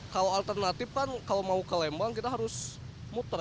kalau alternatif kan kalau mau ke lembang kita harus muter